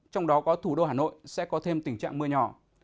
trong đó có thủ đô hà nội sẽ có thêm tình trạng mưa nhỏ